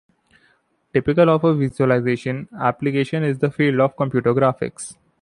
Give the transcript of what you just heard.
Typical of a visualization application is the field of computer graphics.